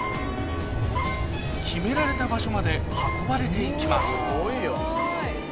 決められた場所まで運ばれていきます